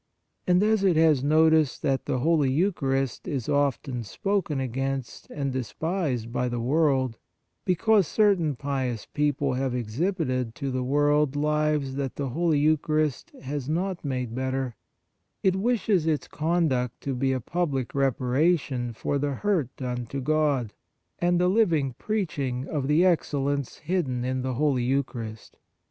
And as it has noticed that the Holy Eucharist is often spoken against and despised by the world, because certain pious people have exhibited to the world lives that the Holy Eucharist has not made better, it wishes its conduct to be a public reparation for the hurt done to God, and a living preaching of the excellence hidden in the Holy Euchar ist.